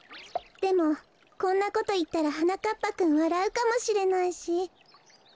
でもこんなこといったらはなかっぱくんわらうかもしれないし。